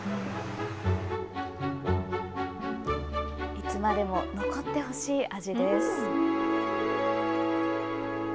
いつまでも残ってほしい味です。